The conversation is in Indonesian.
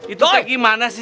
itu kayak gimana sih